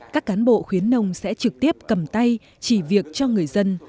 các cán bộ khuyến nông sẽ trực tiếp cầm tay chỉ việc cho người dân